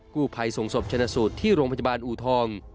คู่ภัยส่งสบชนสุดที่โรงพจบาลอูทอง